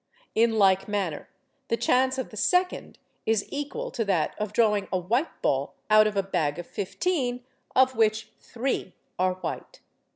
In like manner, the chance of the second is equal to that of drawing a white ball out of a bag of fifteen of which three are white.